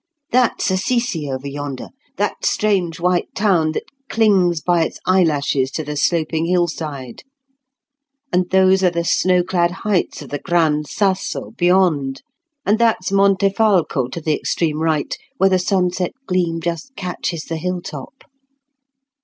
That's Assisi over yonder, that strange white town that clings by its eyelashes to the sloping hillside: and those are the snowclad heights of the Gran Sasso beyond; and that's Montefalco to the extreme right, where the sunset gleam just catches the hilltop."